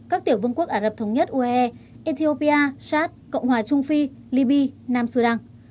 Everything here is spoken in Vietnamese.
các tiểu vương quốc ả rập thống nhất uae ethiopia shat cộng hòa trung phi libya nam sudan